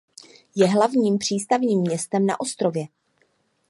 Je hlavním přístavním městem na ostrově.